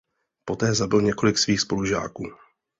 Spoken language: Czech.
Poté zabil několik svých spolužáků.